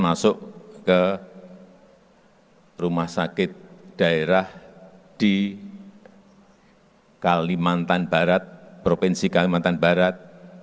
masuk ke rumah sakit daerah di kalimantan barat provinsi kalimantan barat